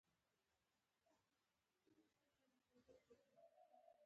په ښه زړه نه دی وتلی.